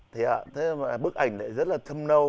thế ạ thế mà bức ảnh này rất là thâm nâu